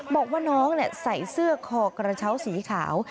บอกว่าน้องใส่เสื้อคอกระเช้าสีขาว